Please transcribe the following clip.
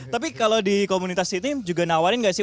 tapi kalau di komunitas city juga nawarin gak sih